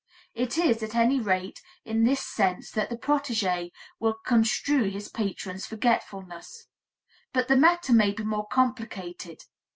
It is, at any rate, in this sense that the protegé will construe his patron's forgetfulness. But the matter may be more complicated.